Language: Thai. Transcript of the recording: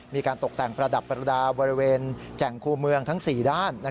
มีการตกแต่งประดับประดาษบริเวณแจ่งคู่เมืองทั้ง๔ด้าน